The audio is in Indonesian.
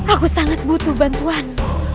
aku sangat butuh bantuan